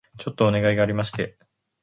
ちょっとお願いがありまして